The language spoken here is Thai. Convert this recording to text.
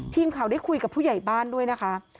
ทีมข่าวได้คุยกับผู้ใหญ่บ้านด้วยนะคะ